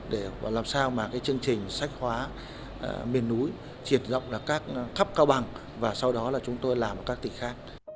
để làm sao mà cái chương trình sách khoa miền núi triển rộng vào các khắp cao bằng và sau đó là chúng tôi làm ở các tỉnh khác